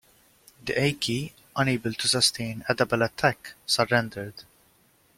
The Aequi, unable to sustain a double attack, surrendered.